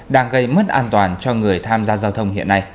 đang gây mất an toàn cho người dân